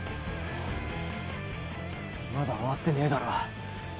まだ終わってねえだろ。